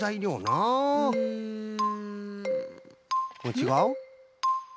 ちがう？